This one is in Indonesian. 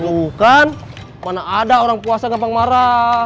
lu kan mana ada orang puasa gampang marah